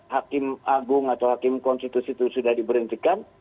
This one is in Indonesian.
hakim agung atau hakim konstitusi itu sudah diberhentikan